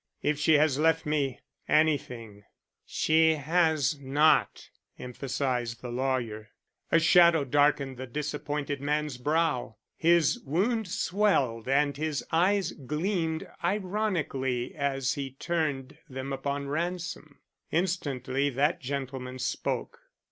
If she has left me anything " "She has not," emphasized the lawyer. A shadow darkened the disappointed man's brow. His wound swelled and his eyes gleamed ironically as he turned them upon Ransom. Instantly that gentleman spoke.